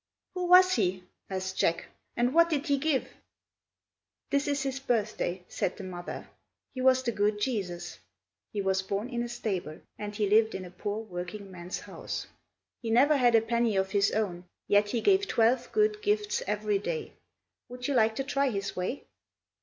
"Who was he?" asked Jack; "and what did he give?" "This is his birthday," said the mother. "He was the good Jesus. He was born in a stable, and he lived in a poor workingman's house. He never had a penny of his own, yet he gave twelve good gifts every day. Would you like to try his way?"